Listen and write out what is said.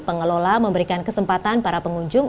pengelola memberikan kesempatan para pengunjung